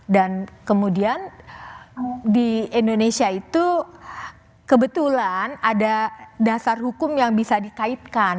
dan kemudian di indonesia itu kebetulan ada dasar hukum yang bisa dikaitkan